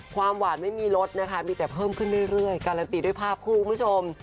ความหวานไม่มีรสนะคะมีแต่เพิ่มขึ้นเรื่อยการันตีด้วยภาพคู่คุณผู้ชม